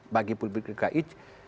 bagi publik dki